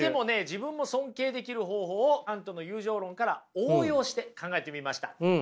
自分も尊敬できる方法をカントの友情論から応用して考えてみました。